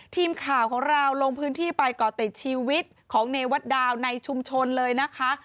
ทีมข่าวของเราลงพื้นที่ไปก่อติดชีวิตของเนวัตดาวในชุมชนเลยนะคะ